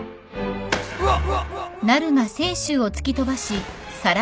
うわっ！